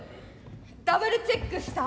ダブルチェックした？